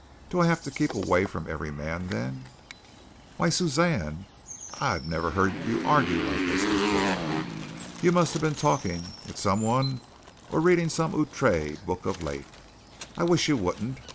Do I have to keep away from every man, then?" "Why, Suzanne! I never heard you argue like this before. You must have been talking with someone or reading some outré book of late. I wish you wouldn't.